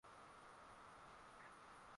Baraghash na mfuasi wake Khalifa bin said